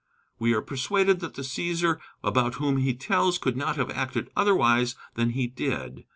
We are persuaded that the Cæsar about whom he tells could not have acted otherwise than he did.